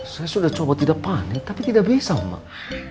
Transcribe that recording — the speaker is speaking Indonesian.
saya sudah coba tidak panik tapi tidak bisa mbak